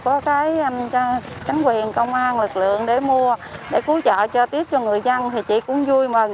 lấy cho chánh quyền công an lực lượng để mua để cứu trợ cho tiếp cho người dân thì chị cũng vui mừng